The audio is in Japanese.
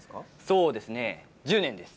そうですね、１０年です。